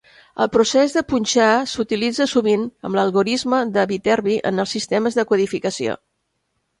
El procés de punxar s'utilitza sovint amb l'algorisme de Viterbi en els sistemes de codificació.